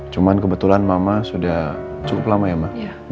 cuman kebetulan mama sudah cukup lama ya mbak